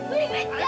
bu ingrid jangan